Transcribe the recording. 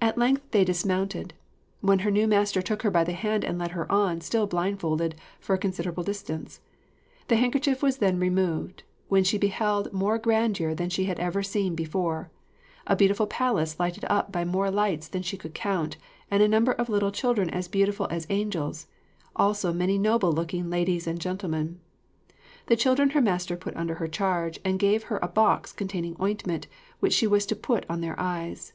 At length they dismounted, when her new master took her by the hand and led her on, still blindfolded, for a considerable distance. The handkerchief was then removed, when she beheld more grandeur than she had ever seen before; a beautiful palace lighted up by more lights than she could count, and a number of little children as beautiful as angels; also many noble looking ladies and gentlemen. The children her master put under her charge, and gave her a box containing ointment, which she was to put on their eyes.